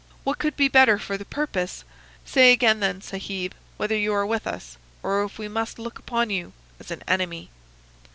What could be better for the purpose? Say again, then, Sahib, whether you are with us, or if we must look upon you as an enemy.